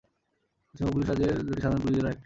Paschimbanga police রাজ্যের দুটি সাধারণ পুলিশ জেলার একটি।